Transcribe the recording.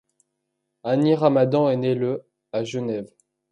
Hani Ramadan est né le à Genève.